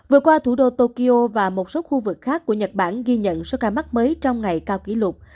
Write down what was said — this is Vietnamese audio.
vừa qua thủ đô tokyo và một số khu vực khác của nhật bản ghi nhận số ca mắc mới trong ngày cao kỷ lục